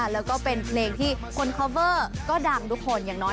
แล้วก็เป็นเพลงที่คนคอเวอร์ก็ดังทุกคนอย่างน้อย